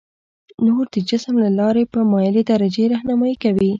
نور د جسم له لارې په مایلې درجې رهنمایي کوي.